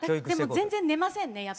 でも全然寝ませんね